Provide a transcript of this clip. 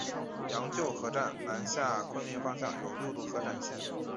羊臼河站南下昆明方向有六渡河展线。